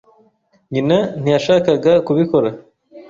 Nyina ntiyashakaga kubikora.